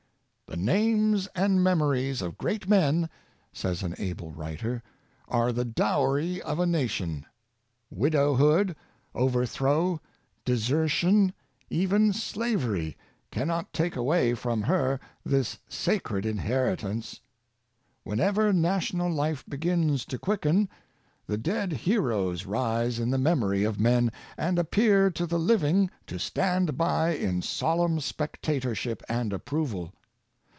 " The names and memories of great men," says an able writer, " are the dowry of a nation. Wi dowhood, overthrow, desertion, even slavery, cannot Character a Great Legacy. 81 take away from her this sacred inheritance. ^"^^ Whenever national Hfe begins to quicken the dead heroes rise in the memory of men, and appear to the Hving to stand by in solemn spectatorship and ap proval.